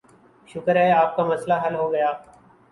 شکر ہے کہ آپ کا مسئلہ حل ہوگیا۔